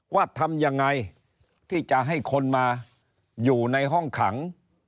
ว่าทำยังไงที่จะให้คนมาอยู่ในห้องขัง